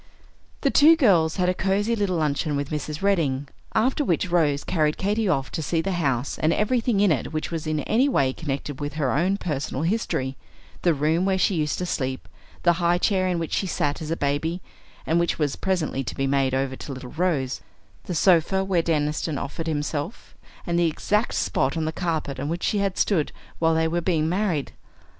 The two girls had a cosey little luncheon with Mrs. Redding, after which Rose carried Katy off to see the house and everything in it which was in any way connected with her own personal history, the room where she used to sleep, the high chair in which she sat as a baby and which was presently to be made over to little Rose, the sofa where Deniston offered himself, and the exact spot on the carpet on which she had stood while they were being married!